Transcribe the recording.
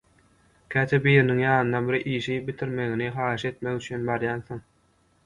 Käte biriniň ýanyna bir işi bitirmegini haýyş etmek üçin barýansyň.